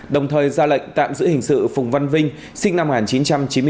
đồng thời ra lệnh tạm giữ hình sự phùng văn vinh sinh năm một nghìn chín trăm chín mươi bốn